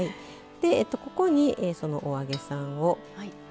ここにそのお揚げさんを。